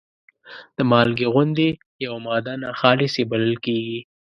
د مالګې غوندې یوه ماده ناخالصې بلل کیږي.